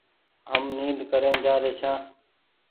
هم نيد ڪرين جآري ڇآن ۔